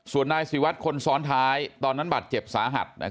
ส่วนนายศิวัตรคนซ้อนท้ายตอนนั้นบาดเจ็บสาหัส